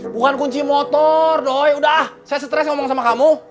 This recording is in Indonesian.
bukan kunci motor doi udah saya stres ngomong sama kamu